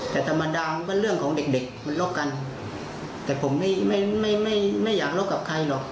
แต่ธรรมดาก็เรื่องของเด็กมันรกกันแต่ผมไม่อยากรกกับใครหรอก